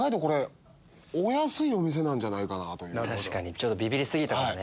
ちょっとビビり過ぎたかもね。